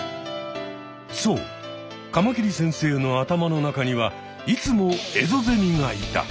そうカマキリ先生の頭の中にはいつもエゾゼミがいた。